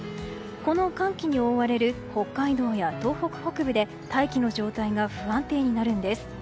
この寒気に覆われる北海道や東北北部で大気の状態が不安定になるんです。